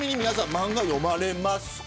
漫画読まれますか。